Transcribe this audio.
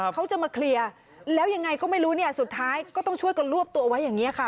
เขาจะมาเคลียร์แล้วยังไงก็ไม่รู้เนี่ยสุดท้ายก็ต้องช่วยกันรวบตัวไว้อย่างนี้ค่ะ